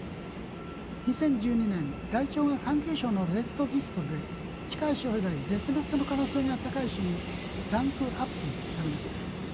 ２０１２年ライチョウが環境省のレッドリストで近い将来絶滅の可能性が高い種にランクアップされました。